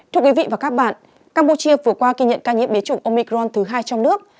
thưa quý vị và các bạn campuchia vừa qua ghi nhận ca nhiễm bế chủng omicron thứ hai trong nước